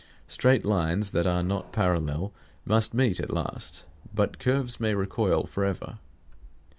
Straight lines that are not parallel must meet at last; but curves may recoil forever.